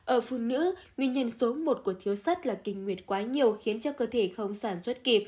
ở phụ nữ nguyên nhân số một của thiếu sắt là kinh nguyệt quá nhiều khiến cho cơ thể không sản xuất kịp